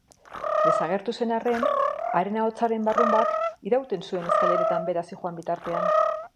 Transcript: Desagertua zen arren, haren ahotsaren burrunbak irauten zuen eskaileretan behera zihoan bitartean.